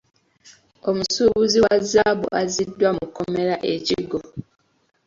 Omusuubuzi wa zzaabu azziddwa mu kkomera e Kigo.